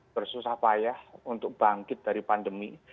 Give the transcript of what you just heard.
bersusah payah untuk bangkit dari pandemi